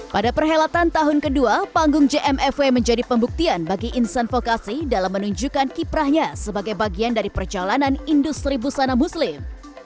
pada perhelatan tahun kedua panggung jmfw menjadi pembuktian bagi insan vokasi dalam menunjukkan kiprahnya sebagai bagian dari perjalanan industri busana muslim